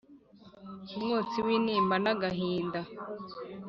umwotsi w'intimba n'agahinda